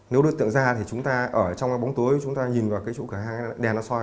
nếu đối tượng ra thì chúng ta ở trong cái bóng tối chúng ta nhìn vào cái chỗ cửa hàng đèn nó soi